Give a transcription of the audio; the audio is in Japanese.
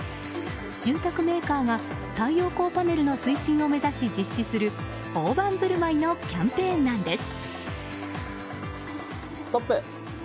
住宅メーカーが太陽光パネルの推進を目指し実施する大盤振る舞いのキャンペーンなんです。